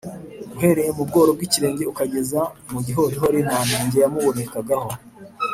uhereye mu bworo bw’ikirenge ukageza mu gihorihori nta nenge yamubonekagaho.